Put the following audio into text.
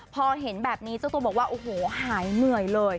พอเห็นแบบนี้เจ้าตัวบอกว่าโอ้โหหายเหนื่อยเลย